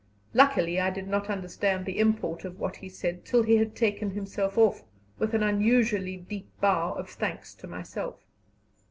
Luckily, I did not understand the import of what he said till he had taken himself off, with an unusually deep bow of thanks to myself.